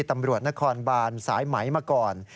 ตำรวจนครบานสายไหมมาก่อน